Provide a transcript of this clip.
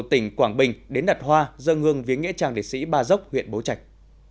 tỉnh quảng bình đến đặt hoa dâng hương viếng nghĩa trang liệt sĩ ba dốc huyện bố trạch